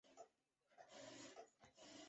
早期的原子钟为附上工具的激微波。